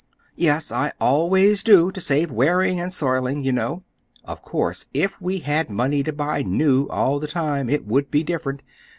"Yes, I always do—to save wearing and soiling, you know. Of course, if we had money to buy new all the time, it would be different.